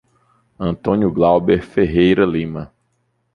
Antônio Glauber Ferreira Lima